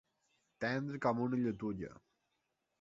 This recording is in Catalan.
Tendre com una lletuga.